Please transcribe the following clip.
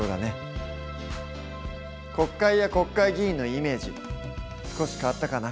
国会や国会議員のイメージ少し変わったかな？